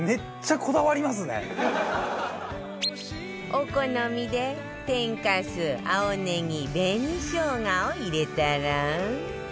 お好みで天かす青ねぎ紅しょうがを入れたら